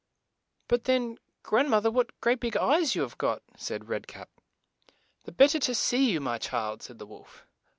But then, grand moth er, what great big eyes you have got," said Red Cap. "The bet ter to see you, my child," said the wolf.